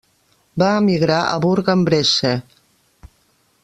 Va emigrar a Bourg-en-Bresse.